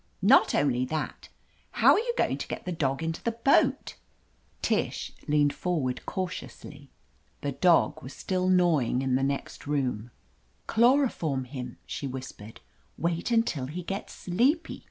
Not only that. How are you going to get the dog into the boatf* Tish leaned forward cautiously. The Dog was still gnawing in the next room. 298 OF LETITIA CARBERRY "Chloroform him!" she whispered. "Wait until he gets sleepy.